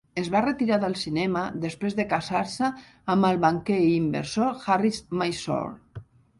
Es va retirar del cinema després de casar-se amb el banquer i inversor Harish Mysore.